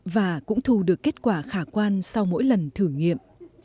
và cũng thu được kết quả khả quan sau mỗi lần thử nghiệm